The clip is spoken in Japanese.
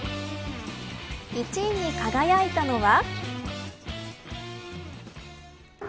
１位に輝いたのは。